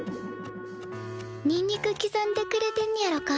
にんにく刻んでくれてんねやろか。